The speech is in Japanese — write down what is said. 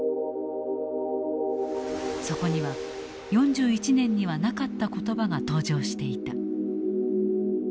そこには４１年にはなかった言葉が登場していた。